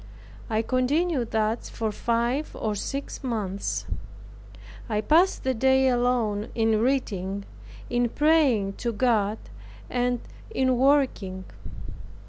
I continued thus for five or six months. I passed the day alone in reading, in praying to God, and in working.